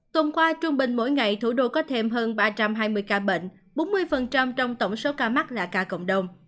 tuần qua trung bình mỗi ngày thủ đô có thêm hơn ba trăm hai mươi ca bệnh bốn mươi trong tổng số ca mắc là cả cộng đồng